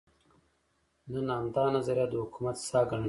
نن همدا نظریه د حکومت ساه ګڼل کېږي.